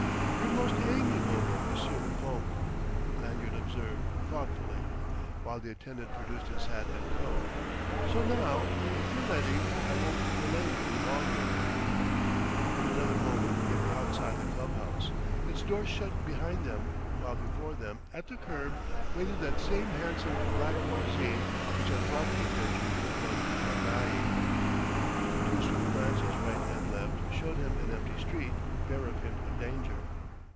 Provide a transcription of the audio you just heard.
"You're most amiable, Monsieur le Comte!" Lanyard observed thoughtfully, while the attendant produced his hat and coat. "So now, if you're ready, I won't delay you longer." In another moment they were outside the club house, its doors shut behind them, while before them, at the curb, waited that same handsome black limousine which had brought the adventurer from L'Abbaye. Two swift glances, right and left, showed him an empty street, bare of hint of danger.